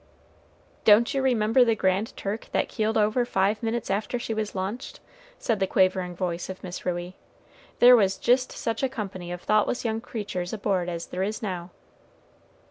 "Don't you remember the Grand Turk, that keeled over five minutes after she was launched?" said the quavering voice of Miss Ruey; "there was jist such a company of thoughtless young creatures aboard as there is now."